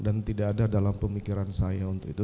dan tidak ada dalam pemikiran saya untuk itu